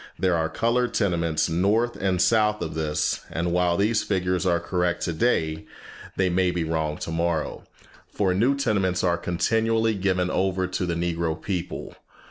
There are colored tenements north and south of this; and while these figures are correct today, they may be wrong tomorrow, for new tenements are continually given over to the Negro people.